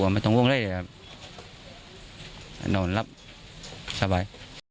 บอกว่าไม่ต้องว่างไรต้องรับสบาย